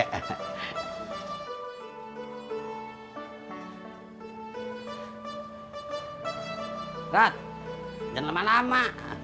heret jangan lama lama